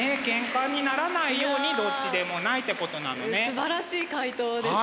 すばらしい回答ですね。